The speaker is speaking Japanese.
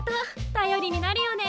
たよりになるよね。